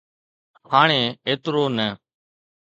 هاڻي ايترو نه.